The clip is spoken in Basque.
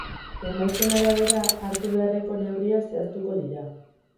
Emaitzen arabera hartu beharreko neurriak zehaztuko dira.